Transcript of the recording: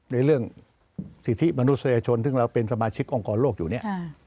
ในเรื่องสิทธิมนุษยชนซึ่งเราเป็นสมาชิกองค์กรโลกอยู่เนี่ย